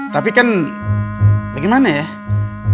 tapi kan bagaimana ya